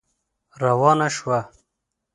روانه شوه.